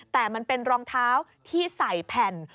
แต่มันเป็นรองเท้าที่ใส่แผ่น